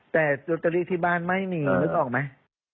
แต่จดตริศที่บ้านไม่มีนึกออกไหม